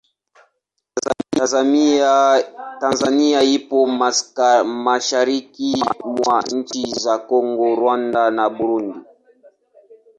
Tanzania ipo mashariki mwa nchi za Kongo, Rwanda na Burundi.